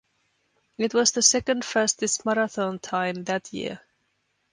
It was the second fastest marathon time that year.